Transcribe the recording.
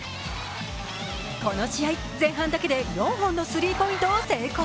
この試合、前半だけで４本のスリーポイントを成功。